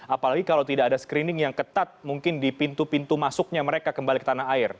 apalagi kalau tidak ada screening yang ketat mungkin di pintu pintu masuknya mereka kembali ke tanah air